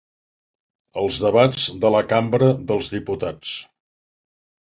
Els debats de la cambra dels diputats.